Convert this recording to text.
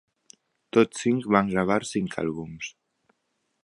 Tots cinc van gravar cinc àlbums.